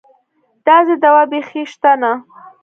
داسې دوا بېخي شته نه.